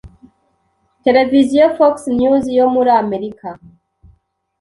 televiziyo Fox News yo muri Amerika